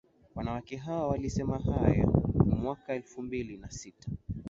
Wanawake hawa walisema hayo mwaka elfu mbili na sita